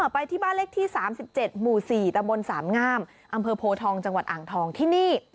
ไปที่บ้านเลขที่๓๗หมู่๔ตะบนสามงามอำเภอโพทองจังหวัดอ่างทองที่นี่